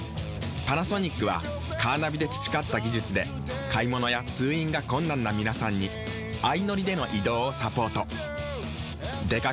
パナソニックはカーナビで培った技術で買物や通院が困難な皆さんに相乗りでの移動をサポート。